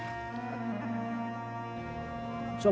masakan ini ditempatkan pula sebagai penanda status sosial seseorang